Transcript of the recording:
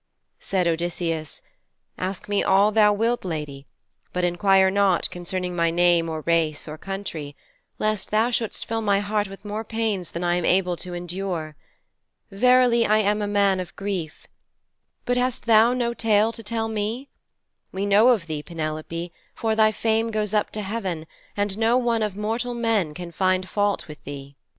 Said Odysseus, 'Ask me all thou wilt, lady, but inquire not concerning my name, or race, or country, lest thou shouldst fill my heart with more pains than I am able to endure. Verily I am a man of grief. But hast thou no tale to tell me? We know of thee, Penelope, for thy fame goes up to heaven, and no one of mortal men can find fault with thee.'